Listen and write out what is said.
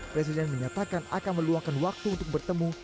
presiden menyatakan akan meluangkan waktu untuk bertemu